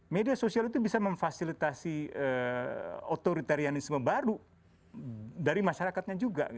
media sosial itu bisa memfasilitasi otoritarianisme baru dari masyarakatnya juga